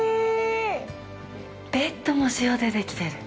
ベッドも塩でできてる。